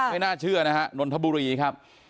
ไม่น่าเชื่อนะฮะนนทบุรีครับ